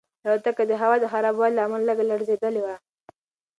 الوتکه د هوا د خرابوالي له امله لږه لړزېدلې وه.